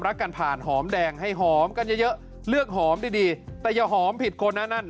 รักกันผ่านหอมแดงให้หอมกันเยอะเลือกหอมดีดีแต่อย่าหอมผิดคนนะนั่น